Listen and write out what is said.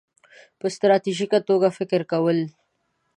-په ستراتیژیکه توګه فکر کول